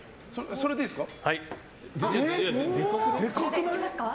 それでいいですか？